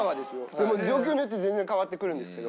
でも状況によって全然変わってくるんですけど。